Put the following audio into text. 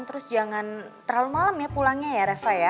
terus jangan terlalu malam ya pulangnya ya reva ya